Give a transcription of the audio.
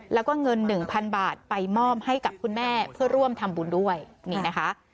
แล้วก็เงินหนึ่งพันบาทไปมอบให้กับคุณแม่เพื่อร่วมทำบุญด้วยนี่นะคะ